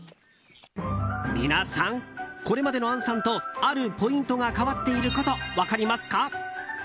皆さん、これまでの杏さんとあるポイントが変わっていること分かりますか？